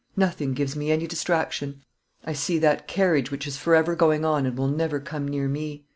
Nothing gives me any distraction. I see that carriage, which is forever going on and will never come near me.